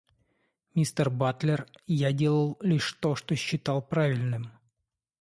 Мистер Батлер, я делал лишь то, что считал правильным.